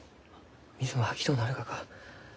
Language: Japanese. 水も吐きとうなるがか？